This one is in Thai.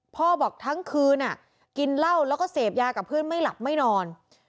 พ่อบอกทั้งคืนกินเหล้าแล้วก็เสพยากับเพื่อนไม่หลับไม่นอน